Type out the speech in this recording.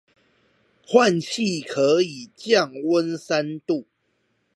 換氣可以降溫三度